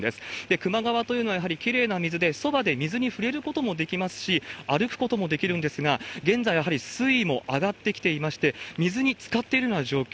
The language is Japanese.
球磨川というのはやはりきれいな水で、そばで水に触れることもできますし、歩くこともできるんですが、現在やはり水位も上がってきていまして、水につかってるような状況。